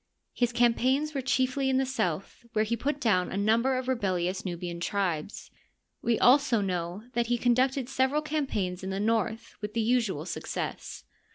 His campaigns were chiefly in the south, where he put down a number of rebellious Nubian tribes. We zdso know that he conducted several campaigns in the north with the usual success.